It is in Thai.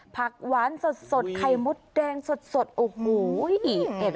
ผักหวานสดขยมมทรแดงสดสดโอ้โห